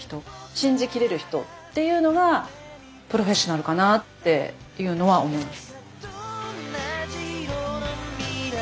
信じ切れる人っていうのがプロフェッショナルかなっていうのは思います。